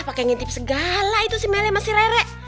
pakai ngintip segala itu si mele sama si rere